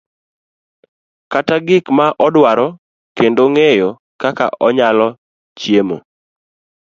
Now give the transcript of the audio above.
kata gik ma odwaro kendo ng'eyo kaka onyalo chiemo.